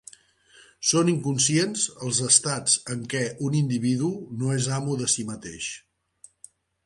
Són inconscients els estats en què un individu no és amo de si mateix.